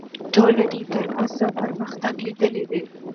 ټولنې تر اوسه پرمختګ لیدلی دی.